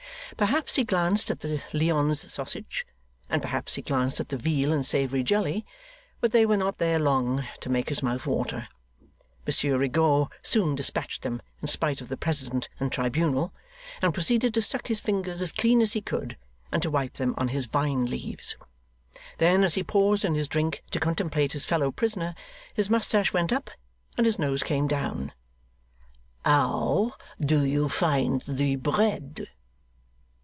Perhaps he glanced at the Lyons sausage, and perhaps he glanced at the veal in savoury jelly, but they were not there long, to make his mouth water; Monsieur Rigaud soon dispatched them, in spite of the president and tribunal, and proceeded to suck his fingers as clean as he could, and to wipe them on his vine leaves. Then, as he paused in his drink to contemplate his fellow prisoner, his moustache went up, and his nose came down. 'How do you find the bread?